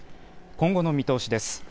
今後の見通しです。